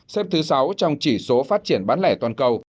xếp thứ sáu trong chỉ số phát triển bán lẻ toàn cầu